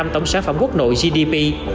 tổng sản phẩm quốc nội gdp